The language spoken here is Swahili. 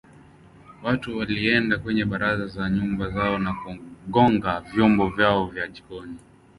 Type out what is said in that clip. Watu walienda kwenye baraza za nyumba zao na kugonga vyombo vyao vya jikoni.